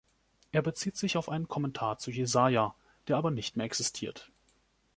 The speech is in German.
Er bezieht sich auf einen Kommentar zu Jesaja, der aber nicht mehr existiert.